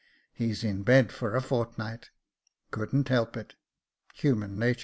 He's in bed for a fortnight, — couldn't help it, — human natur."